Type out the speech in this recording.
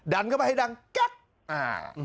ดันเข้าไปให้ดังแก๊กอ่า